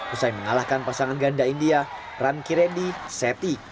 usai mengalahkan pasangan ganda india ranki redi seti